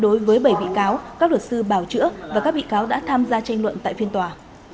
trong vụ án này viện kiểm sát trình bày bản luận tội và các bị cáo đã tham gia tranh luận tại phiên tòa